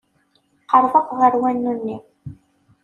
Qerrbeɣ ɣer wanu-nni.